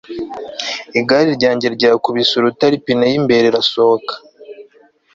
Igare ryanjye ryakubise urutare ipine yimbere irasohoka